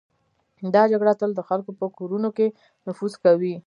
دا جګړه تل د خلکو په کورونو کې نفوذ کوي.